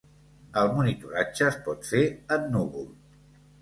El monitoratge es pot fer en núvol.